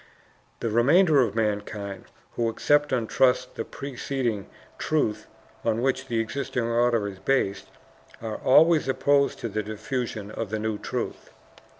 The remainder of mankind who accepted on trust the preceding truth on which the existing order is based, are always opposed to the diffusion of the new truth.